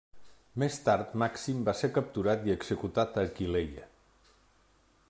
Més tard Màxim va ser capturat i executat a Aquileia.